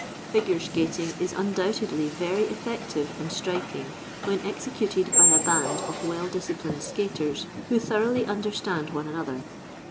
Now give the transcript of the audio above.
Figure skating is undoubtedly very effective and striking when executed by a band of well disciplined skaters who thoroughly understand one another.